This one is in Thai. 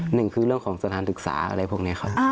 หนึ่งคือเรื่องของสถานศึกษาอะไรพวกนี้ครับ